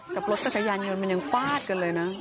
กับรถจักรยานยนต์มันยังฟาดกันเลยนะ